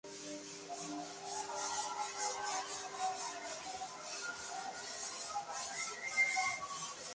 Una fundación que lleva su nombre continúa con la obra iniciada por el obispo.